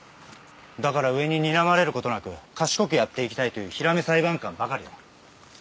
だから上ににらまれることなく賢くやっていきたいというヒラメ裁判官ばかりだ。